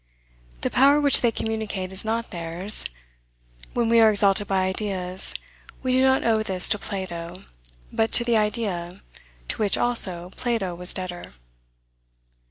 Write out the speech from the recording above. The power which they communicate is not theirs. When we are exalted by ideas, we do not owe this to Plato, but to the idea, to which, also, Plato was debtor.